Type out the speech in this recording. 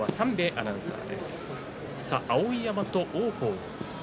碧山と王鵬。